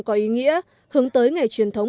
có ý nghĩa hướng tới ngày truyền thống